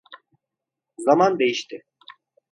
Zaman değişti.